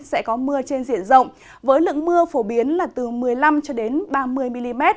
sẽ có mưa trên diện rộng với lượng mưa phổ biến là từ một mươi năm ba mươi mm